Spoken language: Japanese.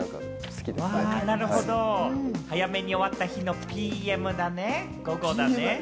早めに終わった日のＰＭ、午後だね。